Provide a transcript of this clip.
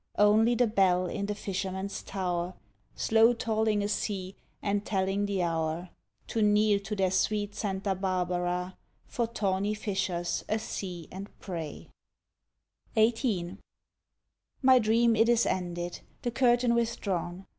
Only the bell in the fisherman’s tower Slow tolling a sea and telling the hour To kneel to their sweet Santa Barbara For tawny fishers a sea and pray. XVIII. My dream it is ended, the curtain withdrawn.